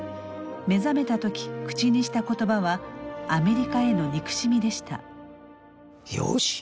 目覚めた時口にした言葉はアメリカへの憎しみでした。